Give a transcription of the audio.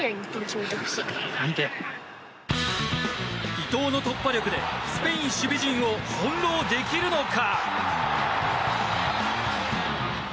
伊東の突破力でスペイン守備陣を翻ろうできるのか？